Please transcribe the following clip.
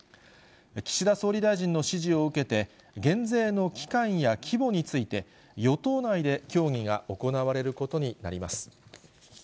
岸田総理大臣の指示を受けて、減税の期間や規模について、与党内で協議が行われることになります。